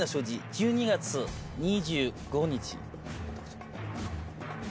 １２月２５日。